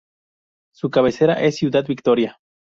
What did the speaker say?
Su cabecera es Ciudad Victoria.